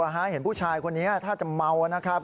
เชื่อกับผู้ชายนี้นะครับถ้าจะเมานะครับ